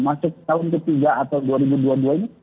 masuk tahun ketiga atau dua ribu dua puluh dua ini